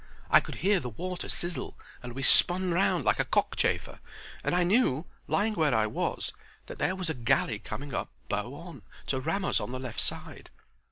I could hear the water sizzle, and we spun round like a cockchafer and I knew, lying where I was, that there was a galley coming up bow on, to ram us on the left side.